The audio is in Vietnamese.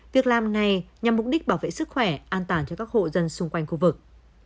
việc làm này nhằm mục đích bảo vệ sức khỏe an toàn cho các hộ dân xung quanh khu vực